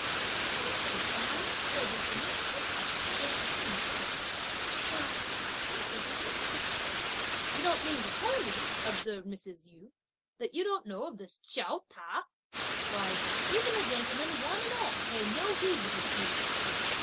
But fancy allowing servants in this household to go on in this way; why, what will be the end of it?" "You don't mean to tell me," observed Mrs. Yu, "that you don't know this Chiao Ta? Why, even the gentlemen one and all pay no heed to his doings!